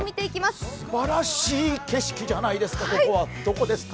すばらしい景色じゃないですか、ここはどこですか？